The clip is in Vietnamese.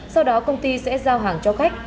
sau đó công ty sẽ giao hàng cho khách